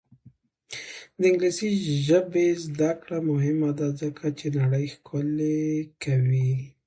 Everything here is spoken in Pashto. د انګلیسي ژبې زده کړه مهمه ده ځکه چې نړۍ ښکلې کوي.